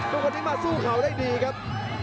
ทุกคนทิ้งมาสู้เข่าได้ดีครับ